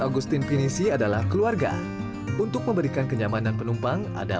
agustin pinisi adalah keluarga untuk memberikan kenyamanan penumpang ada